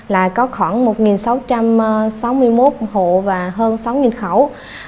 là có khoảng một sáu trăm sáu mươi một hộ và hơn sáu khẩu